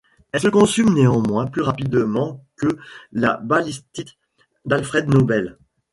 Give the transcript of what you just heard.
Elle se consume néanmoins plus rapidement que la ballistite d'Alfred Nobel.